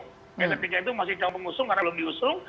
yang ketiga itu masih calon pengusung karena belum diusung